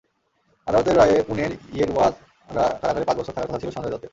আদালতের রায়ে পুনের ইয়েরাওয়াড়া কারাগারে পাঁচ বছর থাকার কথা ছিল সঞ্জয় দত্তের।